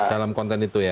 dalam konten itu ya